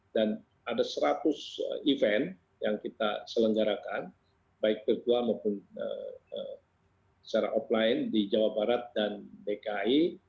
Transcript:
ada seratus event yang kita selenggarakan baik virtual maupun secara offline di jawa barat dan dki